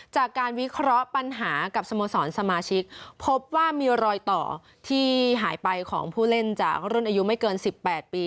จากการวิเคราะห์ปัญหากับสโมสรสมาชิกพบว่ามีรอยต่อที่หายไปของผู้เล่นจากรุ่นอายุไม่เกิน๑๘ปี